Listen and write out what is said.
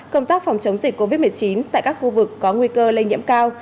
công tác phòng chống dịch covid một mươi chín tại các khu vực có nguy cơ lây nhiễm cao